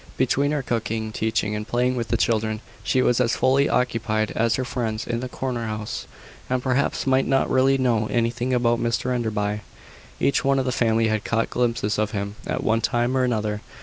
Between her cooking, teaching, and playing with the children, she was as fully occupied as her friends in the corner house, and perhaps might not really know anything about Mr Enderby. Each one of the family had caught glimpses of him at one time or another.